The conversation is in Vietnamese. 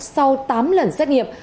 sau tám lần xét nghiệp